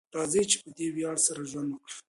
راځئ چې په دې ویاړ سره ژوند وکړو.